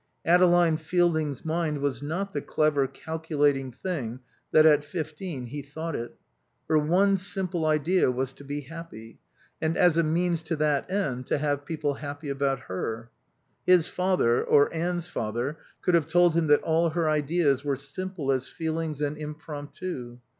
Adeline Fielding's mind was not the clever, calculating thing that, at fifteen, he thought it. Her one simple idea was to be happy and, as a means to that end, to have people happy about her. His father, or Anne's father, could have told him that all her ideas were simple as feelings and impromptu.